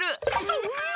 そんな。